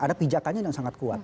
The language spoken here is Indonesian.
ada pijakannya yang sangat kuat